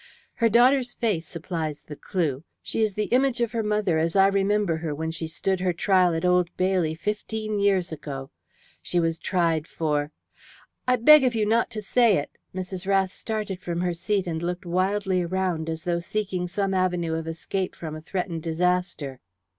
"Her daughter's face supplies the clue. She is the image of her mother as I remember her when she stood her trial at Old Bailey fifteen years ago. She was tried for " "I beg of you not to say it!" Mrs. Rath started from her seat, and looked wildly around as though seeking some avenue of escape from a threatened disaster.